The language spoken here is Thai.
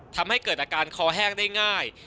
ทำให้เกิดอาการคอแห้งได้ง่าย